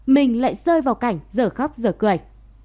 mình lại rơi vào cảnh giở khóc giở cười